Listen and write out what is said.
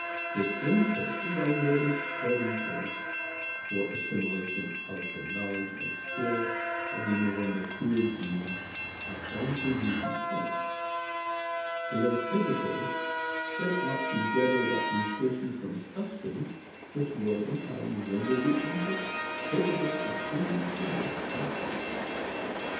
His impulses are merely starting points for assimilation of the knowledge and skill of the more matured beings upon whom he depends. They are tentacles sent out to gather that nutrition from customs which will in time render the infant capable of independent action.